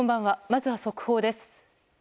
まずは速報です。